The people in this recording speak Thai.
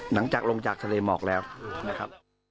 หลังจากลงจากทะเลหมอกแล้วนะครับ